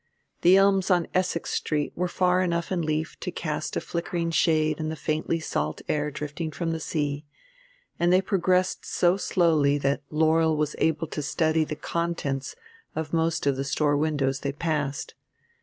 The elms on Essex Street were far enough in leaf to cast a flickering shade in the faintly salt air drifting from the sea; and they progressed so slowly that Laurel was able to study the contents of most of the store windows they passed.